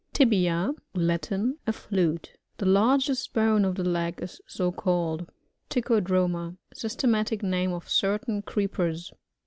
Tibia.— Latin. A flute. The largest bone of the leg is so called. TiCHODROMA. — Systematic name of certain Creepers.